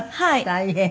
大変。